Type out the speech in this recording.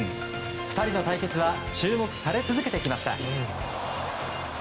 ２人の対決は注目され続けてきました。